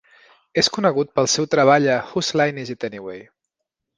És conegut pel seu treball a "Whose Line Is It Anyway?".